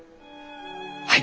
はい！